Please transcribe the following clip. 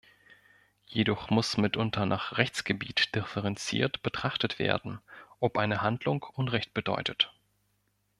Jedoch muss mitunter nach Rechtsgebiet differenziert betrachtet werden, ob eine Handlung Unrecht bedeutet.